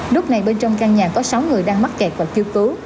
lúc này bên trong căn nhà có sáu người đang mắc kẹt và chưa cứu